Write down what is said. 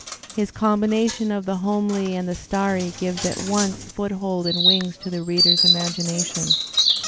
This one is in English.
His combination of the homely and the starry gives at once foothold and wings to the reader's imagination.